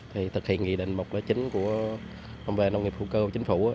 thì thực hiện nghị định một lý chính của phòng vệ nông nghiệp hữu cơ của chính phủ